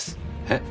え？